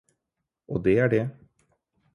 Og det er det.